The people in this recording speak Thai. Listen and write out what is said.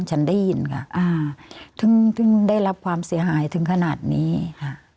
ฉันได้ยินค่ะอ่าถึงถึงได้รับความเสียหายถึงขนาดนี้ค่ะ